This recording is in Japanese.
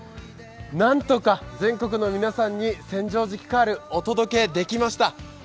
何とか全国の皆さんに千畳敷カールお届けできました。